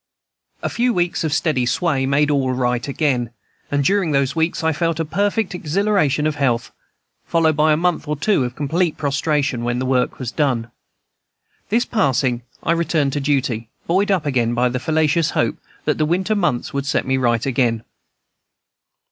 A few weeks of steady sway made all right again; and during those weeks I felt a perfect exhilaration of health, followed by a month or two of complete prostration, when the work was done. This passing, I returned to duty, buoyed up by the fallacious hope that the winter months would set me right again.